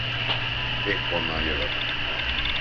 Épp onnan jövök.